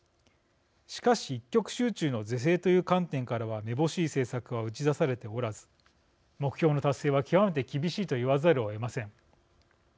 しかし、一極集中の是正という観点からはめぼしい政策は打ち出されておらず目標の達成は極めて厳しいと言わざるをえません。